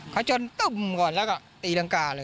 เขาจนตุ้มก่อนแล้วก็ตีรังกาเลย